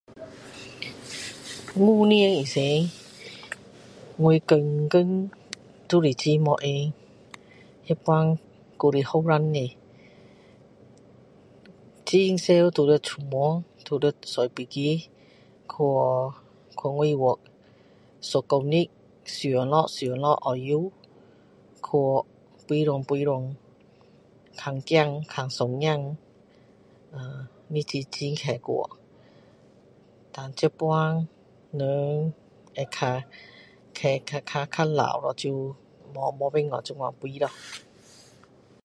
五年以前我天天都是很没有空那时还是年轻的很常都要出门都要坐飞机去去外国一个月上下上下澳洲去到处飞看孩子看孙子啊日子很快过dan现在人较会较较较老咯没办法这样飞咯